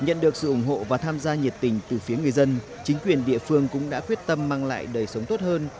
nhận được sự ủng hộ và tham gia nhiệt tình từ phía người dân chính quyền địa phương cũng đã quyết tâm mang lại đời sống tốt hơn